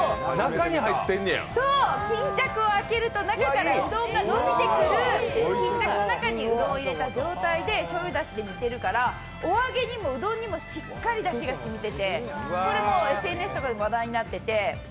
巾着を開けるとうどんが伸びてくるうどんを入れた状態でしょうゆだしで煮てるからお揚げにもうどんにもしっかり味がしみててこれもＳＮＳとかで話題になってて。